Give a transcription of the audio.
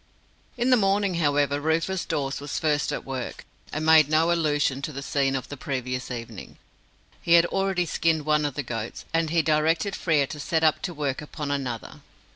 In the morning, however, Rufus Dawes was first at work, and made no allusion to the scene of the previous evening. He had already skinned one of the goats, and he directed Frere to set to work upon another.